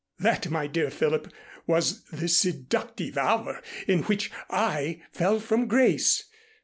That, my dear Philip, was the seductive hour in which I fell from grace.